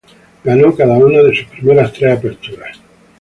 Ganó cada una de sus primeras tres aperturas.